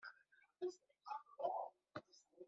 Yas ass d amaynut.